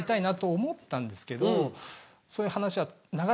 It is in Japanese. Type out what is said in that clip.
そういう話は。